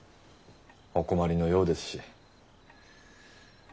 お困りのようですし。